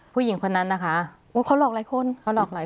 ผู้หญิงคนนั้นนะคะโอ้เขาหลอกหลายคนเขาหลอกหลาย